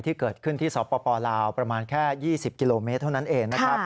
ที่เกิดขึ้นที่สปลาวประมาณแค่๒๐กิโลเมตรเท่านั้นเองนะครับ